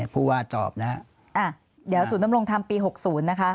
ผู้ว่าตอบนะฮะอ่าเดี๋ยวศูนย์นำลงทำปีหกศูนย์นะคะ